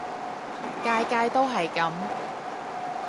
屆屆都係噉